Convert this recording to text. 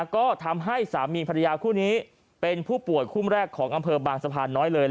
ก็ทำให้สามีภรรยาคู่นี้เป็นผู้ป่วยคู่แรกของอำเภอบางสะพานน้อยเลย